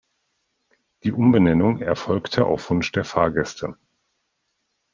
Die Umbenennung erfolgte auf Wunsch der Fahrgäste.